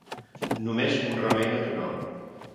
Només un remei natural.